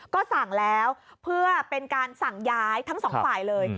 ก็สั่งแล้วเพื่อเป็นการสั่งย้ายทั้งสองฝ่ายเลย